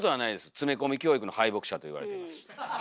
詰め込み教育の敗北者といわれています。